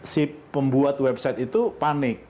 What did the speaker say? si pembuat website itu panik